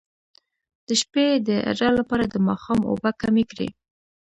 د شپې د ادرار لپاره د ماښام اوبه کمې کړئ